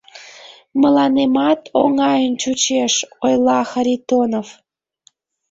— Мыланемат оҥайын чучеш, — ойла Харитонов.